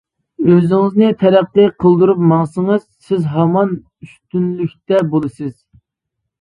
ئۆزىڭىزنى تەرەققىي قىلدۇرۇپ ماڭسىڭىز سىز ھامان ئۈستۈنلۈكتە بولىسىز.